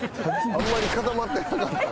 あんまり固まってなかった。